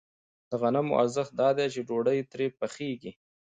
د غنمو ارزښت دا دی چې ډوډۍ ترې پخېږي